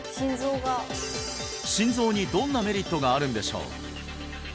心臓にどんなメリットがあるんでしょう？